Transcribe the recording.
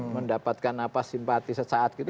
mendapatkan simpati sesaat gitu